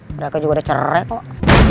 mereka juga udah cerai kok